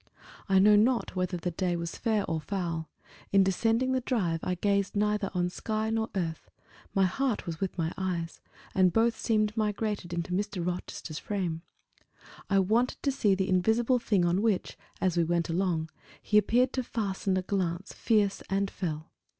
I know not whether the day was fair or foul; in descending the drive I gazed neither on sky nor earth; my heart was with my eyes, and both seemed migrated into Mr. Rochester's frame. I wanted to see the invisible thing on which, as we went along, he appeared to fasten a glance fierce and fell.